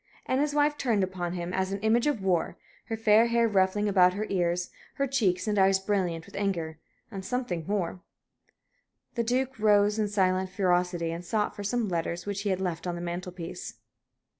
And his wife turned upon him as an image of war, her fair hair ruffling about her ears, her cheeks and eyes brilliant with anger and something more. The Duke rose in silent ferocity and sought for some letters which he had left on the mantel piece.